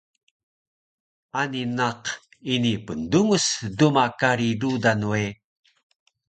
Ani naq ini pndungus duma kari rudan we